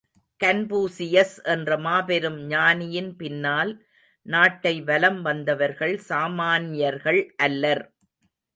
Confucius என்ற மாபெரும் ஞானியின் பின்னால் நாட்டை வலம் வந்தவர்கள் சாமான்யர்கள் அல்லர்!